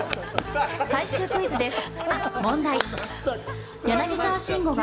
最終クイズです。